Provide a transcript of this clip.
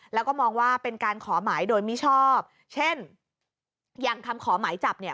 แล้วก็มองว่าเป็นการขอหมายโดยมิชอบเช่นอย่างคำขอหมายจับเนี่ย